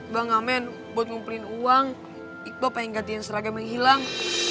bang amen buat ngumpulin uang iqbal pengen gantiin seragam yang hilang